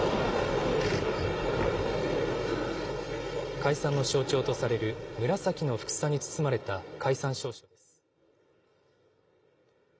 解散の象徴とされる紫のふくさに包まれた解散詔書です。